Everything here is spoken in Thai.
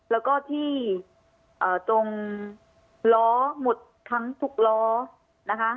แล้วก็ที่ตรงล้อหมดทั้งทุกล้อนะคะ